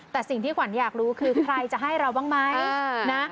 แต่สิ่งที่ขวัญอยากรู้คือใครจะให้เราบ้างไหมนะ